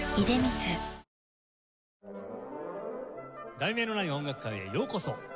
『題名のない音楽会』へようこそ。